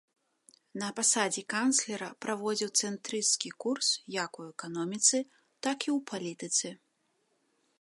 На пасадзе канцлера праводзіў цэнтрысцкі курс як у эканоміцы, так і ў палітыцы.